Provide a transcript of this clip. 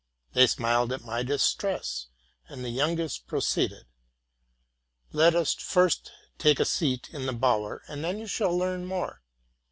They smiled at my distress; and the young est proceeded, '' Let us first take a seat in the bower, and then you shall learn more.